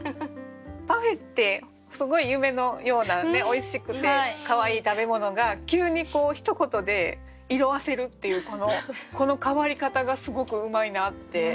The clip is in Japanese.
「パフェ」ってすごい夢のようなおいしくてかわいい食べ物が急にひと言で色あせるっていうこの変わり方がすごくうまいなって。